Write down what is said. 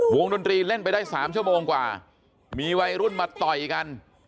ดนตรีเล่นไปได้๓ชั่วโมงกว่ามีวัยรุ่นมาต่อยกัน